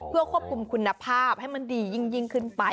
เพื่อควบคุมคุณภาพให้มันดียิ่งขึ้นไป